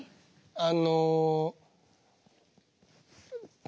あの。